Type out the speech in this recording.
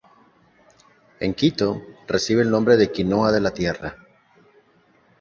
En Quito recibe el nombre de quinoa de la tierra.